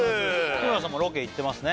日村さんもロケ行ってますね